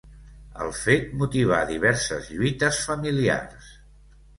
El fet motivà diverses lluites familiars.